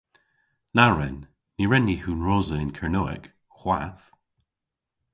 Na wren! Ny wren ni hunrosa yn Kernewek - hwath!